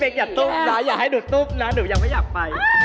ลีเฟคอย่าตุ๊บซ้ายอย่าให้หนูตุ๊บนะหนูยังไม่อยากไป